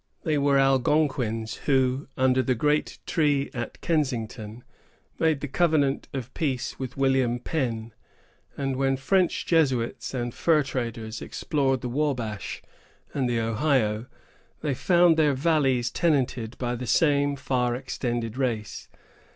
They were Algonquins who, under the great tree at Kensington, made the covenant of peace with William Penn; and when French Jesuits and fur traders explored the Wabash and the Ohio, they found their valleys tenanted by the same far extended race.